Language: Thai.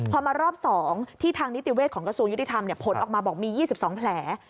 พอมารอบ๒ที่ทางนิติเวศของกระทรวงยุติธรรมผลออกมาบอกมี๒๒แผล